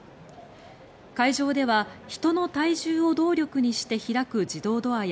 会場では人の体重を動力にして開く自動ドアや